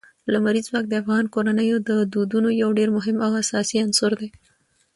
لمریز ځواک د افغان کورنیو د دودونو یو ډېر مهم او اساسي عنصر دی.